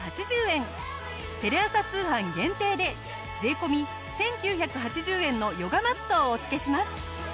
テレ朝通販限定で税込１９８０円のヨガマットをお付けします。